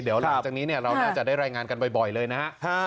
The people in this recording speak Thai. เดี๋ยวหลังจากนี้เราน่าจะได้รายงานกันบ่อยเลยนะฮะ